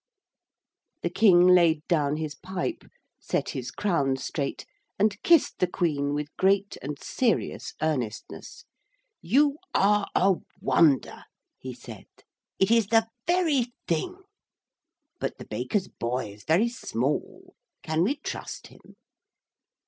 The King laid down his pipe, set his crown straight, and kissed the Queen with great and serious earnestness. 'You are a wonder,' he said. 'It is the very thing. But the baker's boy is very small. Can we trust him?'